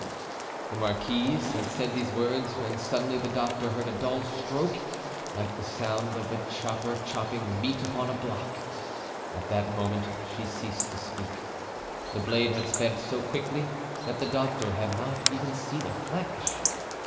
The marquise had said these words when suddenly the doctor heard a dull stroke like the sound of a chopper chopping meat upon a block: at that moment she ceased to speak. The blade had sped so quickly that the doctor had not even seen a flash.